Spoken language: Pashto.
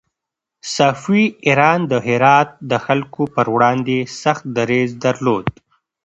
صفوي ایران د هرات د خلکو پر وړاندې سخت دريځ درلود.